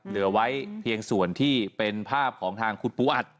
เหลือไว้เพียงส่วนที่เป็นภาพของทางคุณปูอัด